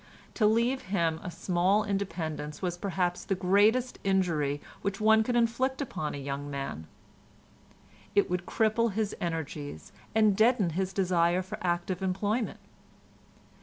To leave him a small independence was perhaps the greatest injury which one could inflict upon a young man. It would cripple his energies, and deaden his desire for active employment.